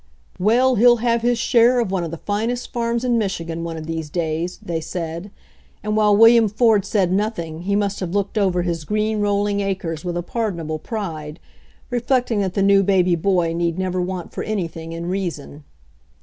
"Well, he'll have his share of one of the finest farms in Michigan one of these days," they said, and while William Ford said nothing he must have looked over his green rolling acres with a pardonable pride, reflecting that the new boy baby need never want for anything in reason.